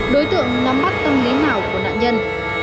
đối tượng nắm bắt tâm lý nào của nạn nhân